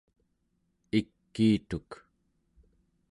ikiituk